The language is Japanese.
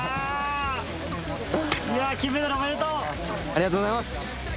ありがとうございます。